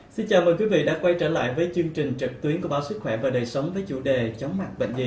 xin chào mời quý vị đã quay trở lại với chương trình trực tuyến của báo sức khỏe và đời sống với chủ đề chóng mặt bệnh gì